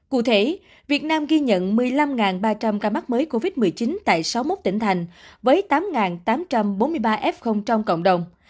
cụ thể việt nam ghi nhận một mươi năm ba trăm linh ca mắc mới covid một mươi chín tại sáu mươi một tỉnh thành với tám tám trăm bốn mươi ba f trong cộng đồng